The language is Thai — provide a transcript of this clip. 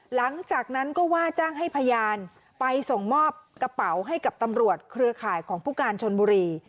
หลังจากนั้นก็ว่าจ้างให้พยานไปส่งมอบกระเป๋าให้กับตำรวจเครือข่ายของผู้การชนบุรี